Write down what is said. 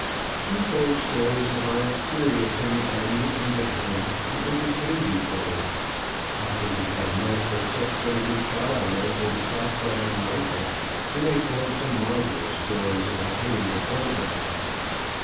We told stories of our experience in the army and at home, and entertained each other. I couldn't tell much, except what a good shot I was with a shotgun and rifle, and I told some marvelous stories about hitting the bull's eye.